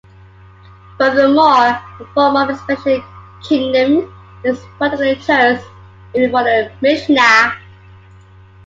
Furthermore, the form of expression in Kinnim is particularly terse, even for the Mishna.